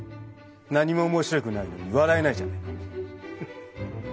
何も面白くないのに笑えないじゃないか。